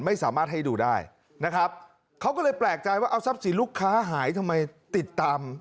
ไม่สามารถให้ดูได้นะครับเขาก็เลยแปลกใจว่าเอาทรัพย์สินลูกค้าหายทำไมติดตาม